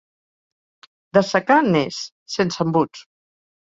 De secà n'és, sense embuts.